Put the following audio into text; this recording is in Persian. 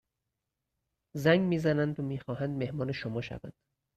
زنگ می زنند و می خواهند مهمان شما شوند.